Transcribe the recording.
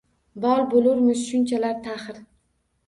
Bol bo’lurmi shunchalar taxir?